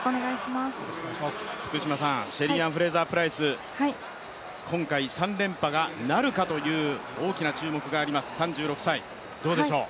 シェリーアン・フレイザープライス、今回３連覇なるかという大きな注目があります、３６歳、どうでしょう。